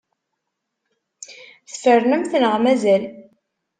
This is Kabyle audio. Tfernemt neɣ mazal?